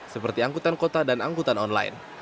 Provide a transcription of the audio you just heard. seperti angkutan kota dan angkutan online